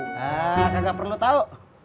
kagak perlu tau